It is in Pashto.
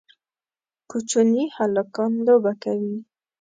کوچني هلکان لوبه کوي